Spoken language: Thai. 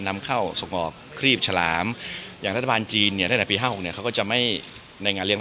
ในความรู้สึกของคุณ